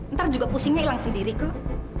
ntar juga pusingnya hilang sendiri kok